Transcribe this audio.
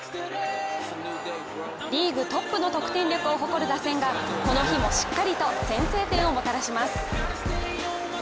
リーグトップの得点力を誇る打線がこの日もしっかりと先制点をもたらします。